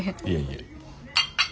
いえいえ。